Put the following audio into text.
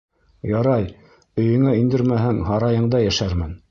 Ярай, өйөңә индермәһәң, һарайыңда йәшәрмен.